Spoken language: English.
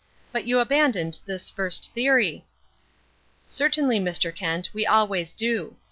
But you abandoned this first theory." "Certainly, Mr. Kent, we always do.